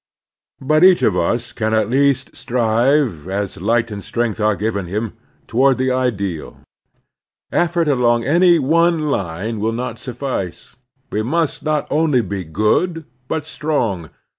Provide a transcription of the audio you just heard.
But each of us can at least strive, as light Christian Citizenship 315 and strength are given him, toward the ideal. Effort along any one line will not suffice. We must not only be good, but strong.